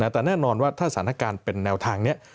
แต่แน่นอนว่าถ้าสถานการณ์เป็นแนวทางนี้